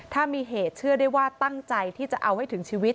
ถ้ามีเหตุเชื่อได้ว่าตั้งใจที่จะเอาให้ถึงชีวิต